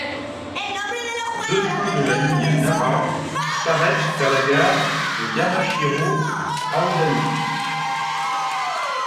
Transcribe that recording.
Deux trains de la ligne Nara s'arrêtent à la gare de Yamashiro-Aodani.